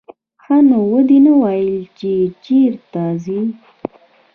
ښه نو ودې نه ویل چې چېرته ځې.